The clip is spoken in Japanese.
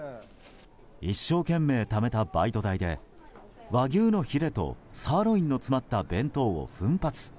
一生懸命ためたバイト代で和牛のヒレとサーロインの詰まった弁当を奮発。